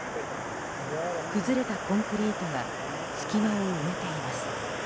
崩れたコンクリートが隙間を埋めています。